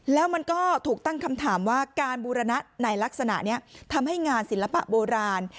แล้วมันก็ถูกตั้งคำถามว่าการบูรณะในลักษณะนี้ทำให้งานศิลปะโบราณ